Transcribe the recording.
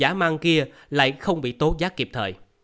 hành vi giả mang kia lại không bị tố giác kịp thời